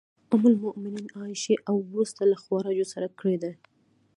ام المومنین عایشې او وروسته له خوارجو سره کړي دي.